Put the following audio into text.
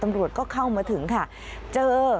ตำรวจก็เข้ามาถึงค่ะเจอ